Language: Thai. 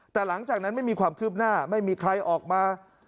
แต่หลังจากนั้นไม่มีความคืบหน้าไม่มีใครออกมา